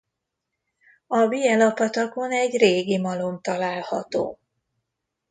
A Bijela-patakon egy régi malom található.